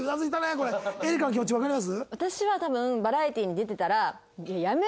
これエリカの気持ちわかります？